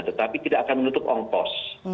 tetapi tidak akan menutup ongkos